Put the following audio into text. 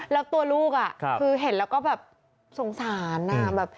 แล้วตัวลูกคือเห็นแล้วก็แบบสงสาร